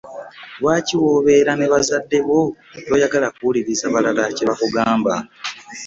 Lwaki wobeera ne bazadde bo toyagala kuwuliriza balala kyebakugamba?